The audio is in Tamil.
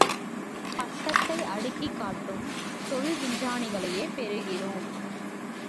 பட்டத்தை அடுக்கிக் காட்டும் சொல் விஞ்ஞானிகளையே பெறுகிறோம்.